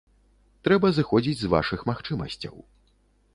Трэба зыходзіць з вашых магчымасцяў.